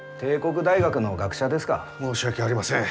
申し訳ありません。